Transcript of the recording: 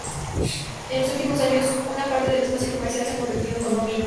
En los últimos años, una parte del espacio comercial se ha convertido en condominios.